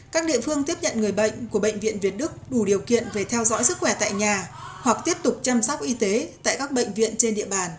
các địa phương tiếp nhận người bệnh của bệnh viện việt đức đủ điều kiện về theo dõi sức khỏe tại nhà hoặc tiếp tục chăm sóc y tế tại các bệnh viện trên địa bàn